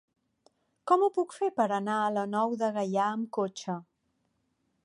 Com ho puc fer per anar a la Nou de Gaià amb cotxe?